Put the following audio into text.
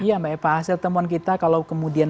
iya mbak eva hasil temuan kita kalau kemudian